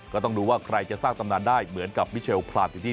ก็ต้องดูว่าใครจะสร้างตำนานได้เหมือนกับมิเชลพลาสติก